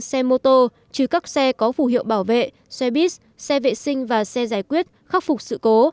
xe motor chứ các xe có phù hiệu bảo vệ xe bus xe vệ sinh và xe giải quyết khắc phục sự cố